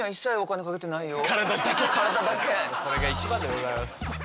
それが一番でございます。